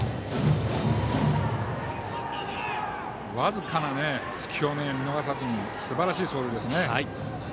僅かな隙を見逃さずにすばらしい走塁ですね。